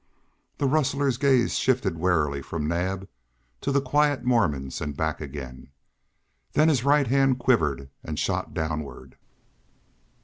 The rustler's gaze shifted warily from Naab to the quiet Mormons and back again. Then his right hand quivered and shot downward.